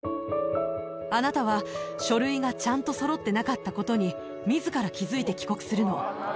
あなたは書類がちゃんとそろってなかったことに、みずから気付いえ？